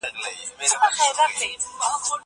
زه اوږده وخت لوبه کوم.